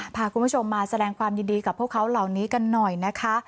พาคุณผู้ชมมาแสดงความยินดีกับพวกเขาเหล่านี้กันหน่อยนะคะ